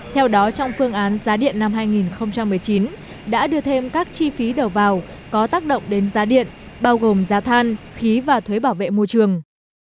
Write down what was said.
theo đó trong phương án giá điện năm hai nghìn một mươi chín đã đưa thêm các chi phí đầu vào có tác động đến giá điện bao gồm giá than khí và thuế bảo vệ môi trường